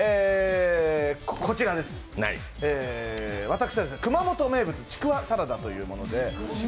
私は熊本名物、ちくわサラダというもので。